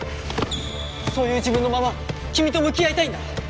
そういう自分のまま君と向き合いたいんだ。